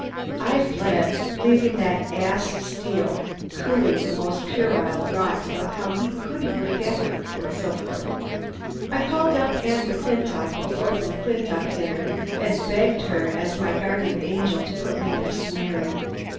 I fled, leaving that ass, Steel, cooing the most puerile rot about how he couldn't forget her and so forth. I called up Anne McClintock before the McClintock dinner and begged her as my guardian angel to put me next to Mary.